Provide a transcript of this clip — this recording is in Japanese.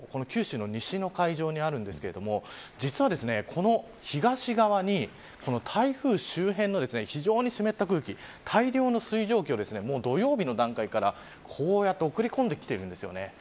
九州の西の海上にあるんですけど実はこの東側に台風周辺の非常に湿った空気大量の水蒸気を土曜日の段階からこうやって送り込んできているんです。